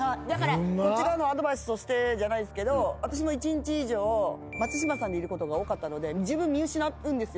こっち側のアドバイスとしてじゃないですけど私も１日以上松嶋さんでいることが多かったので自分見失うんですよ。